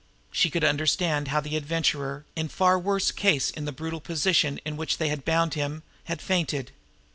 She could understand how the Adventurer, in far worse case in the brutal position in which they had bound him, had fainted.